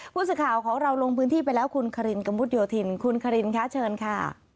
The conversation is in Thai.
ผู้สื่อข่าวของเราลงพื้นที่ไปแล้วคุณคารินกระมุดโยธินคุณคารินค่ะเชิญค่ะ